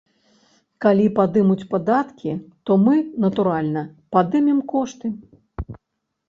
Калі падымуць падаткі, то мы, натуральна, падымем кошты.